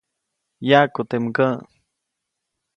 Yaʼku teʼ mgäʼ.